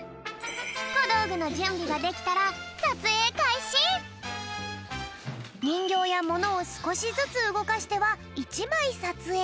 こどうぐのじゅんびができたらにんぎょうやものをすこしずつうごかしては１まいさつえい。